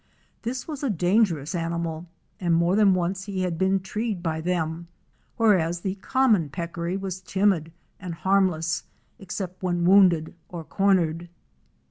This was a dangerous animal, and more than once he had been treed by them, whereas the Common Peccary was timid and harmless except when wounded or cornered.